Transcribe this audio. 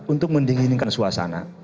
untuk mendinginkan suasana